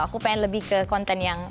aku pengen lebih ke konten yang